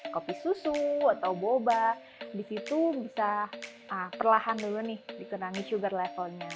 kopi susu atau boba di situ bisa perlahan dikurangi sugar levelnya